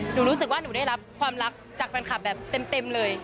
รู้สึกว่าหนูได้รับความรักจากแฟนคลับแบบเต็มเลย